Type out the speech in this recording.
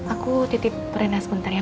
aku titip perendah sebentar ya